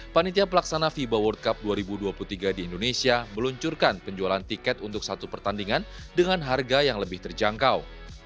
panitia pelaksana fiba world cup dua ribu dua puluh tiga di indonesia meluncurkan penjualan tiket untuk satu pertandingan dengan harga yang lebih terjangkau